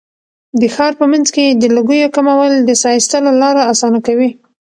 د ښار په منځ کې د لوګیو کمول د ساه ایستلو لاره اسانه کوي.